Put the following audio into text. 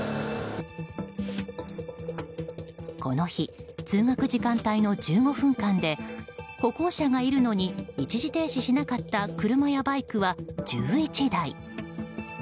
この日、通学時間帯の１５分間で歩行者がいるのに一時停止しなかった車やバイクは１１台。